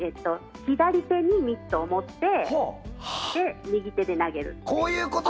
左手にミットを持って右手で投げると。